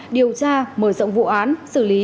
điều tra mở rộng vụ án xử lý